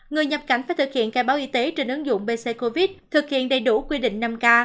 người nhập cảnh phải thực hiện khai báo y tế trên ứng dụng bc covid thực hiện đầy đủ quy định năm k